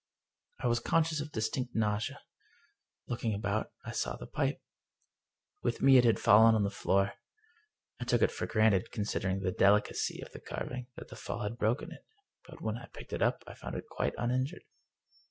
" I was conscious of distinct nausea. Looking about, I saw the pipe. With me it had fallen on to the floor. I took it for granted, considering the delicacy of the carving, that the fall had broken it. But when I picked it up I found it quite uninjured.